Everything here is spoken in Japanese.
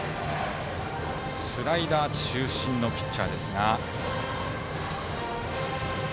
スライダー中心のピッチャーですが。